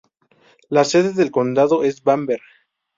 La sede del condado es Bamberg.